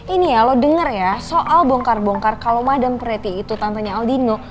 ini ya lo denger ya soal bongkar bongkar kalo madame preti itu tantanya aldino